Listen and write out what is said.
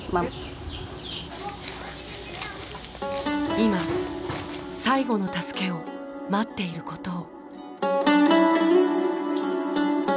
今最後の助けを待っていることを。